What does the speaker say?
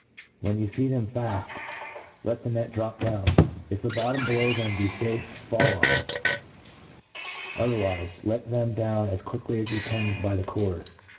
When you fee them faft, let the net drop down, if the bottom below them be fafe •fell on J but, otherwife, let them down as quick as you can by the cord.